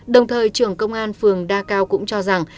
đồng thời trưởng công an phường đa cao cũng cho rằng